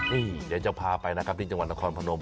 นี่เดี๋ยวจะพาไปนะครับที่จังหวัดนครพนม